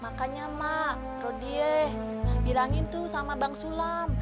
makanya mak rodiah bilangin tuh sama bang sulam